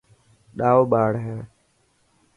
ڏائو ٻاڙ هي.